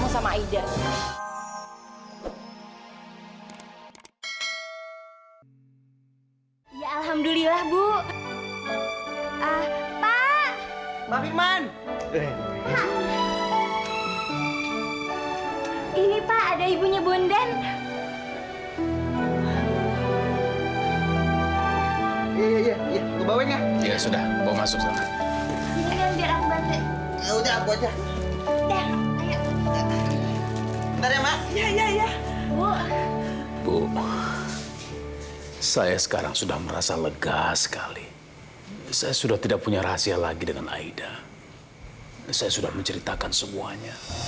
sampai jumpa di video selanjutnya